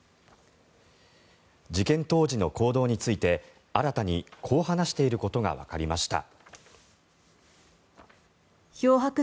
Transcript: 事件当時の行動について新たにこう話していることがわかりました。